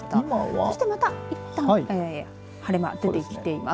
そして、またいったん晴れ間、出てきています。